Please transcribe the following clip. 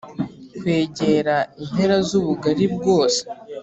kwegera impera z'ubugari bwose